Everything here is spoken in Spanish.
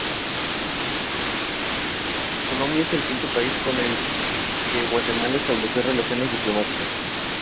Colombia es el quinto país con el que Guatemala estableció relaciones diplomáticas.